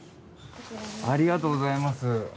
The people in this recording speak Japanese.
ありがとうございます。